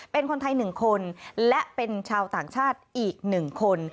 เป็นคนไทย๑คนและเป็นชาวต่างชาติอีก๑คน